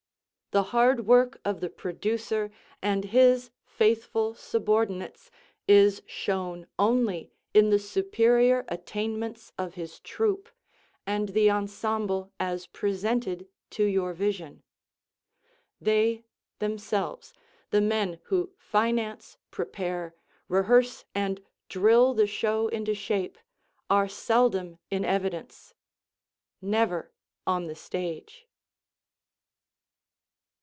The hard work of the producer and his faithful subordinates is shown only in the superior attainments of his troupe and the ensemble as presented to your vision. They, themselves, the men who finance, prepare, rehearse and drill the show into shape, are seldom in evidence never on the stage.